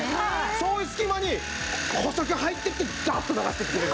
そういう隙間に細く入っていってガッと流してくれる。